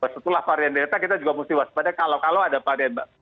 setelah varian delta kita juga mesti waspada kalau kalau ada varian